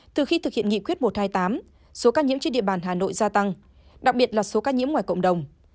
từ khi thực hiện nghị quyết một trăm hai mươi tám số ca nhiễm trên địa bàn hà nội gia tăng đặc biệt là số ca nhiễm ngoài cộng đồng